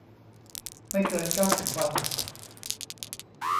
ไม่เกิน เก้าสิบ วัน